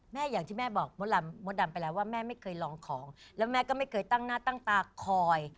อย่างที่แม่บอกมดดำมดดำไปแล้วว่าแม่ไม่เคยลองของแล้วแม่ก็ไม่เคยตั้งหน้าตั้งตาคอย